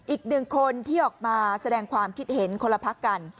อีกหนึ่งคนที่ออกมาแสดงความคิดเห็นคนละพักกัน